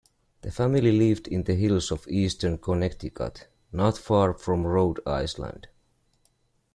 The family lived in the hills of eastern Connecticut, not far from Rhode Island.